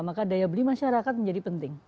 maka daya beli masyarakat menjadi penting